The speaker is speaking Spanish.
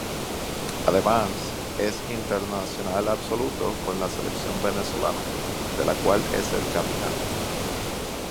Además, es internacional absoluto con la selección venezolana, de la cual es el capitán.